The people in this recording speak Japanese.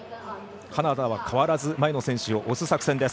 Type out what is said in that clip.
カナダは変わらず前の選手を押す作戦。